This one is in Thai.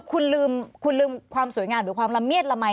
คุณลืมคุณลืมความสวยงามหรือความละเมียดละมัย